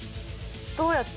どうやって？